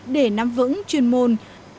để nắm vững chuyên môn